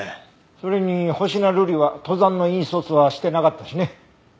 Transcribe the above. それに星名瑠璃は登山の引率はしてなかったしね。